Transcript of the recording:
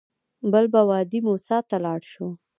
بل به وادي موسی ته لاړ شو.